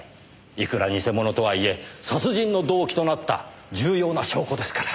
いくら偽物とはいえ殺人の動機となった重要な証拠ですから。